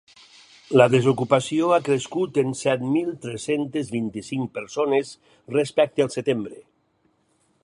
La desocupació ha crescut en set mil tres-cents vint-i-cinc persones respecte al setembre.